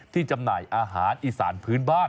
จำหน่ายอาหารอีสานพื้นบ้าน